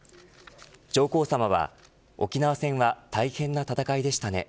上皇さまは沖縄戦は大変な戦いでしたね。